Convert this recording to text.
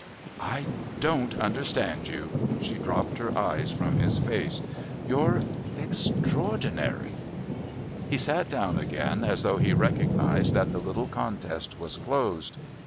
"I don't understand you"; she dropped her eyes from his face. "You're extraordinary." He sat down again as though he recognised that the little contest was closed.